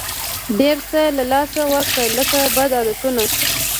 ډېر څه له لاسه ورکړه لکه بد عادتونه.